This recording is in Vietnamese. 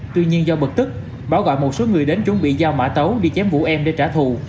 tuy nhiên do bực tức bảo gọi một số người đến chuẩn bị giao mã tấu đi chém vụ em để trả thù